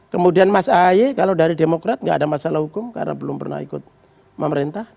kemudian mas ahy kalau dari demokrat nggak ada masalah hukum karena belum pernah ikut pemerintah